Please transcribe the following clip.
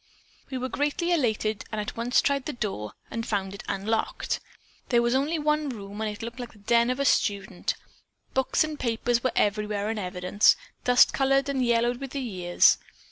"We were greatly elated and at once tried the door and found it unlocked. There was only one room and it looked like the den of a student. Books and papers were everywhere in evidence; dust covered and yellowed with the years.